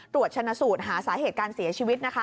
ชนะสูตรหาสาเหตุการเสียชีวิตนะคะ